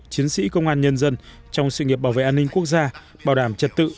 chiến sĩ công an nhân dân trong sự nghiệp bảo vệ an ninh quốc gia bảo đảm trật tự